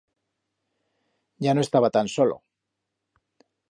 Ya no estaba tan solo.